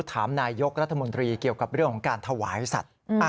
นายกรัฐมนตรีเกี่ยวกับเรื่องของการถวายสัตว์